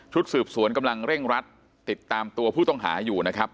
สืบสวนกำลังเร่งรัดติดตามตัวผู้ต้องหาอยู่นะครับ